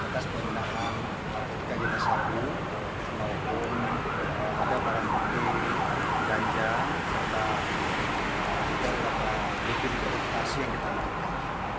kasus penyelenggaraan kagetan sabu maupun ada barang bukti ganja serta beberapa klip diperbankan